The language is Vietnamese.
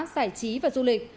giải trí và du lịch